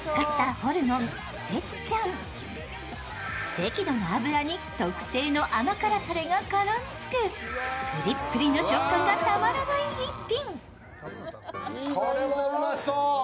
適度な脂に特製の甘辛たれが絡みつくプリップリの食感がたまらない一品。